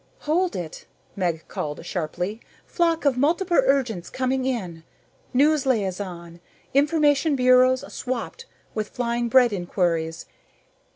"Hold it!" Meg called sharply. "Flock of multiple urgents coming in. News Liaison: information bureaus swamped with flying bread inquiries.